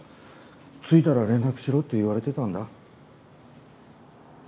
着いたら連絡しろって言われてたんだ。